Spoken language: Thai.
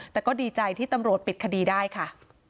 แต่ก็ดีใจที่ตำรวจปิดคดีได้ค่ะ